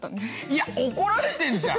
いや怒られてんじゃん！